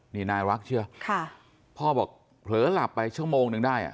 นี่นายรักเชื่อพ่อบอกเผลอหลับไปชั่วโมงนึงได้อ่ะ